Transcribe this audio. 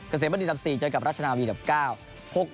เกษตรบรรดีอันดับ๔เจอกับราชนาวีอีอันดับ๙